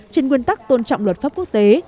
trên nguyên tắc tôn trọng luật pháp quốc tế